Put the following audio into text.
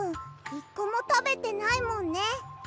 １こもたべてないもんね。